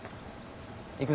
行く